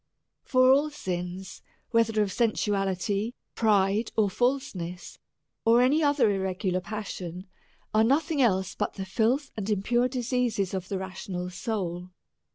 For all sins, whether of sensuality, pride, or falseness, or any other irregular passion, are no thing else but the filth and impure disease of the ra tional soul.